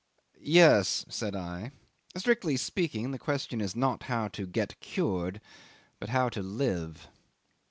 "Yes," said I, "strictly speaking, the question is not how to get cured, but how to live."